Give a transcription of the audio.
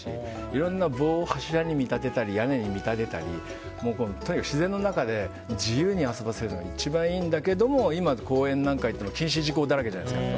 いろんな棒を柱に見立てたり屋根に見立てたりとにかく自然の中で自由に遊ばせるのが一番いいんだけど今、公園なんかに行っても禁止事項だらけじゃないですか。